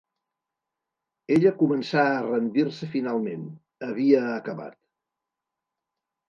Ella començà a rendir-se finalment; havia acabat.